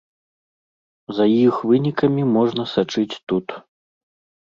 За іх вынікамі можна сачыць тут.